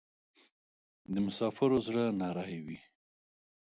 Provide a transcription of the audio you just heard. د مسافرو زړه نری وی